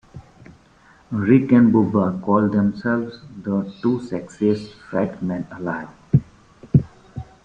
Rick and Bubba call themselves The Two Sexiest Fat Men Alive.